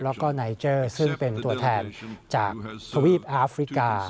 แล้วก็ไนเจอร์ซึ่งเป็นตัวแทนจากทวีปอาฟริกา